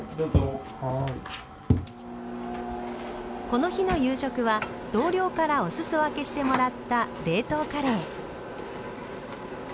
この日の夕食は同僚からお裾分けしてもらった冷凍カレー。